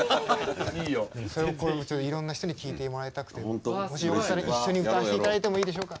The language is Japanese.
それをいろんな人に聴いてもらいたくてもしよかったら一緒に歌わせて頂いてもいいでしょうか。